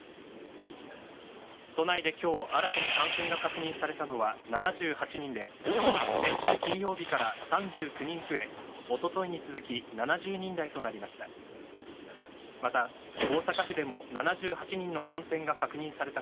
都内で今日新たに感染が確認されたのは７８人で先週金曜日から３９人増え一昨日に続き７０人台となりました。